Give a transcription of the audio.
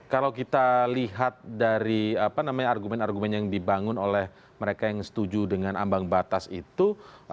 kalau kita lihat dari argumen argumen yang dibangun oleh mereka yang setuju dengan ambang batas itu